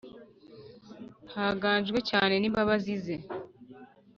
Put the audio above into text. ntangajwe cyane n'imbabazi ze: